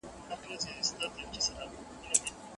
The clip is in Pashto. ایا طبیعي علوم تل دقیق وي؟